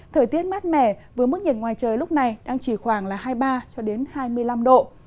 thời tiết mát mẻ với mức nhiệt ngoài trời lúc này đang chỉ khoảng là hai mươi ba hai mươi năm độ